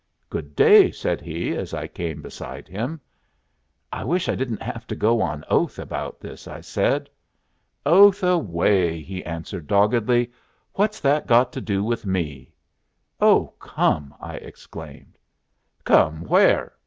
"Good day," said he, as I came beside him. "I wish I didn't have to go on oath about this," I said. "Oath away," he answered, doggedly. "What's that got to do with me?" "Oh, come!" I exclaimed. "Come where?"